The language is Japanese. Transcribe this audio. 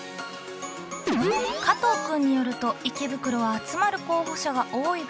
加藤くんによると池袋は集まる候補者が多い分